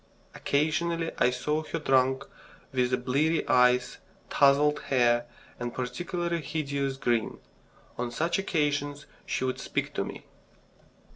Occasionally, I saw her drunk, with bleary eyes, tousled hair, and a particularly hideous grin. On such occasions she would speak to me.